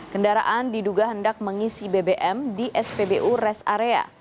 kendaraan diduga hendak mengisi bbm di spbu rest area